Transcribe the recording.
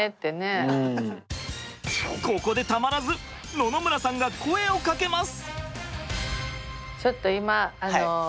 ここでたまらず野々村さんが声をかけます。